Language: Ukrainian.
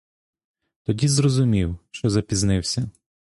Тоді зрозумів, що запізнився.